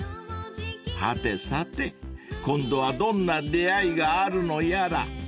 ［はてさて今度はどんな出会いがあるのやら］